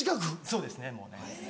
そうですねもうね。